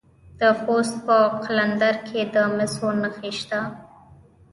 د خوست په قلندر کې د مسو نښې شته.